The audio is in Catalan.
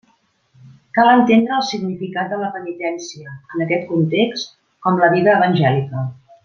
Cal entendre el significat de la penitència, en aquest context, com la vida evangèlica.